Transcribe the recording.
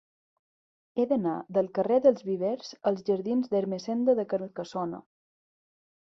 He d'anar del carrer dels Vivers als jardins d'Ermessenda de Carcassona.